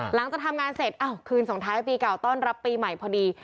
หลังจากทำงานเสร็จคืนส่งท้ายปีเก่าต้อนรับปีใหม่พอดี